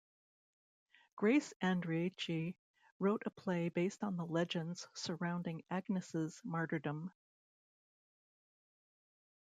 Grace Andreacchi wrote a play based on the legends surrounding Agnes's martyrdom.